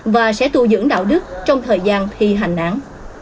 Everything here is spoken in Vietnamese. và sẽ tu dưỡng đạo đức trong thời gian thi hành án